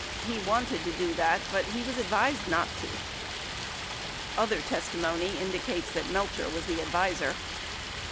He wanted to do that but he was advised not to. 31 Other testimony indicates that Melcher was the adviser.